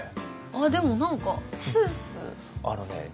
あでも何かあのね